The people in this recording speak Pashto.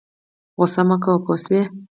غوسه مه کوه پوه شه